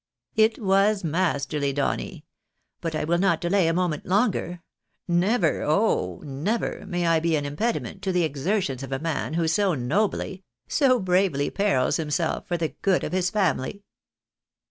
It was masterly, Donny! But I will not delay a moment longer. Never, oh ! never, may I be an impediment to the exertions of a man who so nobly, so bravely perils himself, for the good of his family